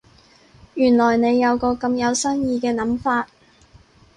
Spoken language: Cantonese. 原來你有個咁有新意嘅諗法